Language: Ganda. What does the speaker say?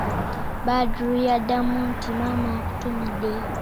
Badru yaddamu nti:"maama akutumidde"